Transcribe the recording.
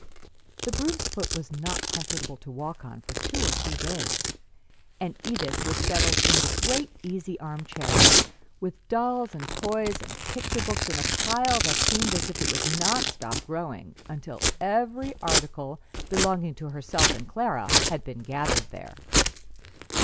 The bruised foot was not comfortable to walk on for two or three days, and Edith was settled in the great easy arm chair with dolls and toys and picture books in a pile that seemed as if it would not stop growing until every article belonging to herself and Clara had been gathered there.